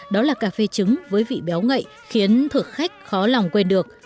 đó là cà phê trứng với vị béo ngậy khiến thực khách khó lòng quên được